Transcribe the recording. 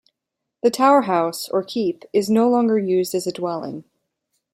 The tower house, or keep, is no longer used as a dwelling.